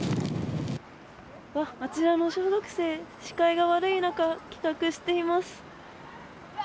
あちらの小学生、視界が悪い中帰宅しています。